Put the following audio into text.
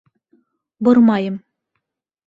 Бормайым.